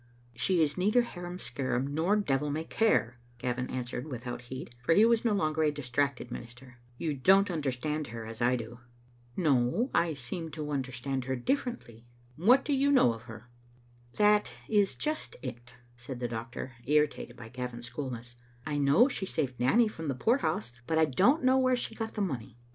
"She is neither harum scarum nor devil may care," Gavin answered, without heat, for he was no longer a distracted minister. " You don't understand her as I do." Digitized by VjOOQ IC J6n^ of tbe State ot f ti^ectofotu lai * No, I seem to understand her diflferently." " What do you know of her?" " That is just it," said the doctor, irritated by Gavin's coolness. "I know she saved Nanny from the poor house, but I don't know where she got the money.